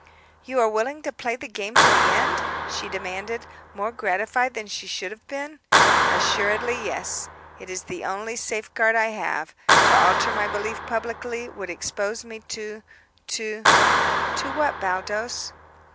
"You are willing to play the game to the end?" she demanded, more gratified than she should have been. "Assuredly, yes. It is the only safeguard I have. To alter my belief publicly would expose me to to " "To what, Baldos?"